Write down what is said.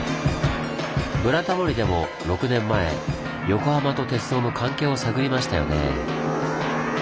「ブラタモリ」でも６年前横浜と鉄道の関係を探りましたよねぇ。